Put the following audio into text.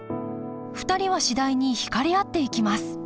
２人は次第に引かれ合っていきます